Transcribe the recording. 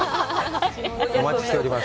お待ちしております。